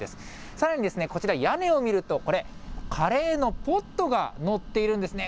さらにこちら、屋根を見ると、これ、カレーのポットが載っているんですね。